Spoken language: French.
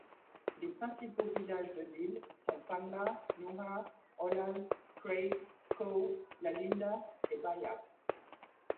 Les principaux villages de l’île sont Fanla, Newha, Olal, Craig Cove, Lalinda et Baiap.